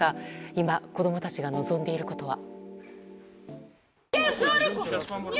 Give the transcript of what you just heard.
今、子供たちが望んでいることは。